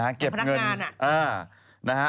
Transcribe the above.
พนักงานอ่ะ